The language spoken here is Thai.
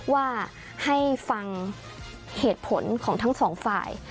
ว่าให้ฟังเหตุผลของทั้งสองฝ่าย